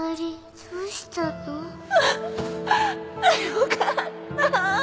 よかった！